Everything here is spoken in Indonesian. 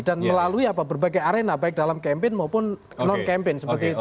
dan melalui apa berbagai arena baik dalam kampen maupun non kampen seperti itu